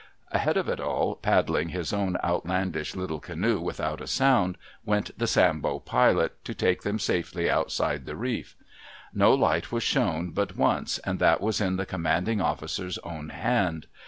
Ahead of all, paddling his own outlandish little canoe without a sound, went the Sambo pilot, to take them safely outside the reef. No light was shown but once, and that was in the commanding officer's own hand.